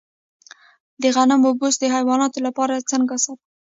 د غنمو بوس د حیواناتو لپاره څنګه ساتم؟